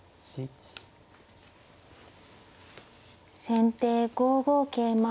先手５五桂馬。